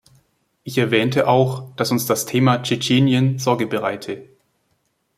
Ich erwähnte auch, dass uns das Thema Tschetschenien Sorge bereite.